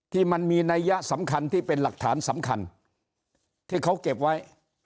ที่มันมีนัยยะสำคัญที่เป็นหลักฐานสำคัญที่เขาเก็บไว้